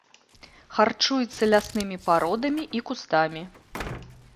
Харчуецца ляснымі пародамі і кустамі.